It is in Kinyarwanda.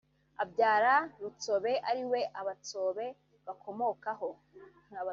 abyara Rutsobe ariwe Abatsobe bakomokaho